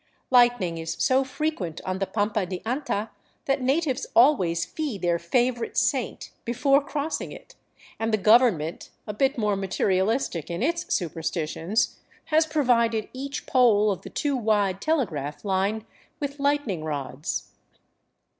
Lightning is so frequent on the Pampa de Anta that natives always fee their favorite saint before crossing it, and the government, a bit more materialistic in its superstitions, has provided each pole of the two wide telegraph line with lightning rods.